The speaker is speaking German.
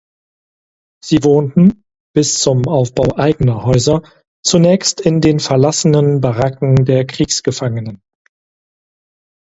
Sie wohnten, bis zum Aufbau eigener Häuser, zunächst in den verlassenen Baracken der Kriegsgefangenen.